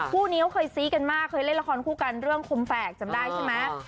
คู่นี้เขาเคยซี้กันมากเคยเล่นละครคู่กันเรื่องคมแฝกจำได้ใช่ไหม